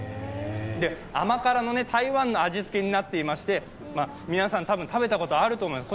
甘辛の台湾の味付けになっていまして、皆さん多分、食べたことあると思います。